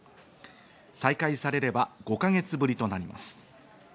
再開されれば５か月ぶりとなります。